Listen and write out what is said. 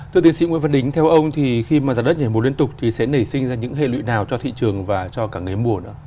thưa tiến sĩ nguyễn văn đính theo ông thì khi mà giá đất nhảy mùa liên tục thì sẽ nảy sinh ra những hệ lụy nào cho thị trường và cho cả người mùa nữa